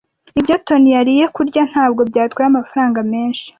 Ibyo Toni yariye kurya ntabwo byatwaye amafaranga menshi.